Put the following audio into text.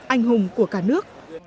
anh hùng của cả nước